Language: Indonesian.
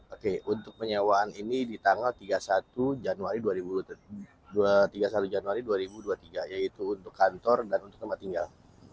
oke untuk penyewaan ini di tanggal tiga puluh satu januari dua ribu dua puluh tiga yaitu untuk kantor dan tempat tinggal